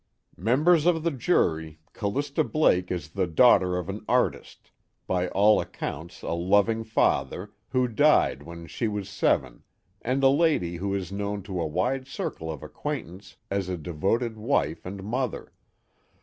"Members of the jury, Callista Blake is the daughter of an artist, by all accounts a loving father, who died when she was seven, and a lady who is known to a wide circle of acquaintance as a devoted wife and mother.